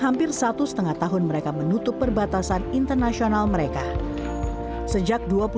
hampir satu setengah tahun mereka menutup perbatasan internasional mereka sejak dua puluh sembilan